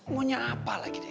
mau nyapa lagi dia